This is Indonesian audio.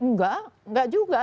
nggak nggak juga